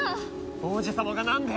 王子様がなんで？